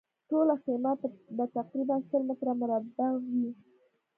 ټوله خیمه به تقریباً سل متره مربع وي.